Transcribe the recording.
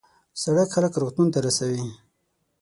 سړک خلک روغتون ته رسوي.